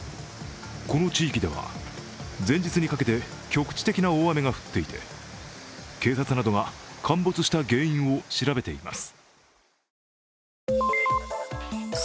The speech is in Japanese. この地域では前日にかけて局地的な大雨が降っていて警察などが陥没した原因を調べています。